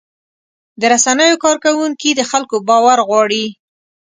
د رسنیو کارکوونکي د خلکو باور غواړي.